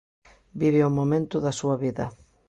Vive o momento da súa vida.